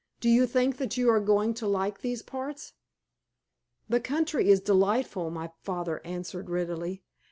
"Do you think that you are going to like these parts?" "The country is delightful," my father answered readily.